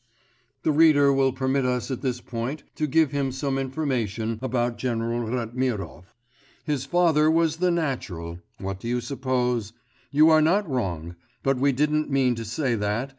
The reader will permit us at this point to give him some information about General Ratmirov. His father was the natural ... what do you suppose? You are not wrong but we didn't mean to say that